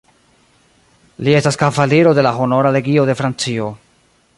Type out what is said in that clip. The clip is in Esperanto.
Li estas kavaliro de la Honora Legio de Francio.